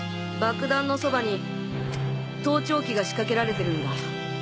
爆弾のそばに盗聴器が仕掛けられてるんだ。